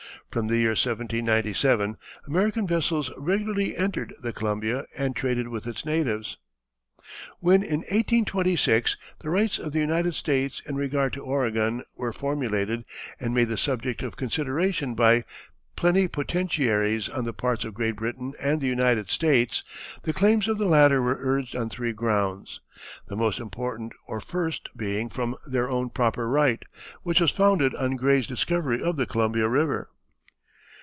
From the year 1797 American vessels regularly entered the Columbia and traded with its natives. When in 1826 the rights of the United States in regard to Oregon were formulated and made the subject of consideration by plenipotentiaries on the parts of Great Britain and the United States, the claims of the latter were urged on three grounds, the most important or first being from their own proper right, which was founded on Gray's discovery of the Columbia River.